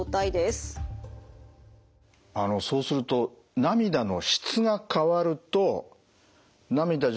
あのそうすると涙の質が変わると涙自体